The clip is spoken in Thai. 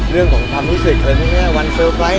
เรื่องของความรู้สึก